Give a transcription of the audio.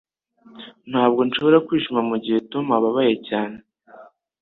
Ntabwo nshobora kwishima mugihe Tom ababaye cyane